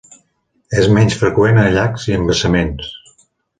És menys freqüent a llacs i embassaments.